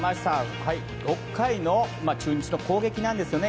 ６回の中日の攻撃なんですね。